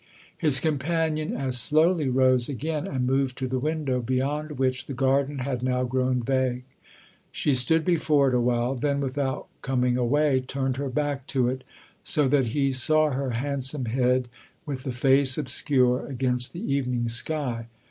His companion as slowly rose again and moved to the window, beyond which the garden had now grown vague. She stood before it a while ; then, without coming away, turned her back to it, so that he saw her handsome head, with the face obscure, 280 THE OTHER HOUSE against the evening sky.